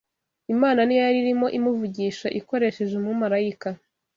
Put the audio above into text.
Imana ni yo yari irimo imuvugisha ikoresheje umumarayika